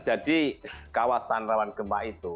jadi kawasan rawan gempa itu